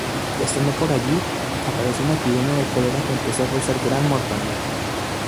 Estando por allí, apareció una epidemia de cólera que empezó a causar gran mortandad.